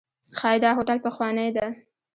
ښایي دا هوټل پخوانی دی.